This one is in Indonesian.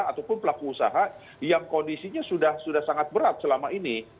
ataupun pelaku usaha yang kondisinya sudah sangat berat selama ini